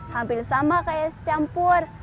hampir sama kayak campur